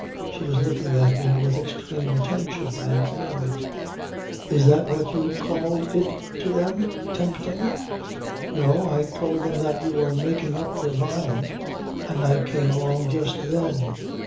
She was looking at me with extreme attention, and murmured: "Is that what you called it to them? Tempting ..." "No. I told them that you were making up your mind and I came along just then.